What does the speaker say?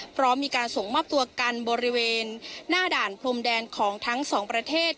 พร้อมมีการส่งมอบตัวกันบริเวณหน้าด่านพรมแดนของทั้งสองประเทศ